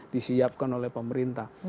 disiapkan oleh pemerintah